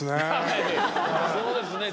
そうですね。